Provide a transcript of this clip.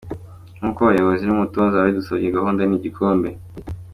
Nkuko abayobozi n’umutoza babidusabye gahunda ni igikombe.